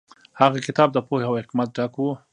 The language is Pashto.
هغه کتاب د پوهې او حکمت ډک و.